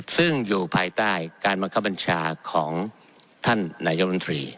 ซึ่งอยู่ภายใต้การบังคับบัญชาของท่านนายกรรมตรี